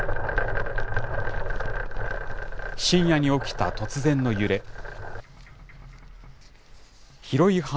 深夜に起きた突然の揺れ。